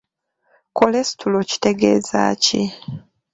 Kolesitulo kitegeeza ki?